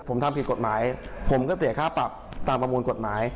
ผมทำผิดกฎหมายผมก็เสียค่าปรับตามประมวลกฎหมาย